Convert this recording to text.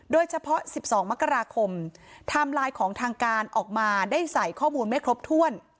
โดยเฉพาะ๑๒มกราคมไทม์ไลน์ของทางการออกมาได้ใส่ข้อมูลไม่ครบถ้วน